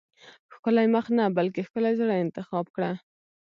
ښکلی مخ نه بلکې ښکلي زړه انتخاب کړه.